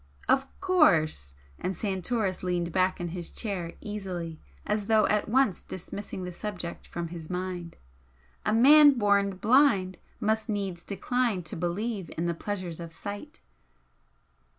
"Of course!" and Santoris leaned back in his chair easily, as though at once dismissing the subject from his mind "A man born blind must needs decline to believe in the pleasures of sight."